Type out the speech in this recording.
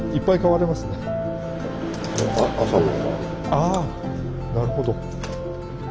あなるほど。